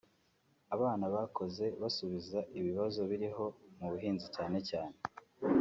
abana bakoze basubiza ibibazo biriho mu buhinzi cyane cyane